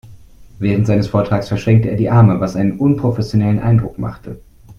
Während seines Vortrages verschränkte er die Arme, was einen unprofessionellen Eindruck machte.